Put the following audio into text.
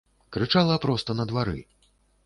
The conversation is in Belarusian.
Крычала проста на двары.